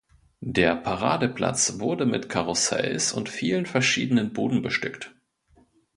Der Paradeplatz wurde mit Karussells und vielen verschiedenen Buden bestückt.